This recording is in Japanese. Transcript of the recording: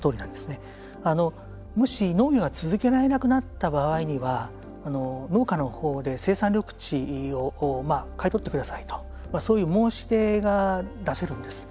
もし農業が続けられなくなった場合には農家のほうで、生産緑地を買い取ってくださいとそういう申し出が出せるんです。